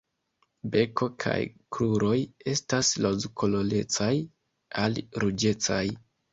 Beko kaj kruroj estas rozkolorecaj al ruĝecaj.